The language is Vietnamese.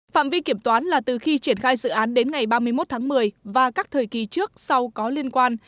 phạm vi kiểm toán là từ khi triển khai dự án đến ngày ba mươi một tháng một mươi và các thời kỳ trước sau có liên quan